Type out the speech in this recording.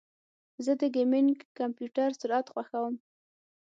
زه د ګیمنګ کمپیوټر سرعت خوښوم.